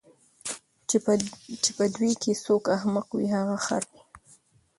چی په دوی کی څوک احمق وي هغه خر دی